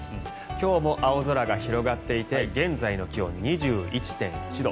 今日も青空が広がっていて現在の気温２１．１度。